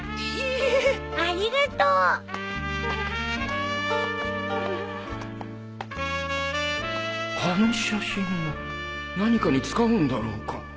あの写真は何かに使うんだろうか？